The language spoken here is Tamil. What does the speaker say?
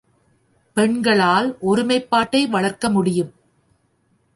பெண்களால் ஒருமைப்பாட்டை வளர்க்க முடியும்.